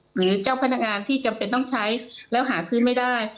หรือเจ้าพนักงานที่จำเป็นต้องใช้แล้วหาซื้อไม่ได้